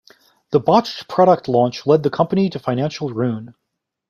The botched product launch led the company to financial ruin.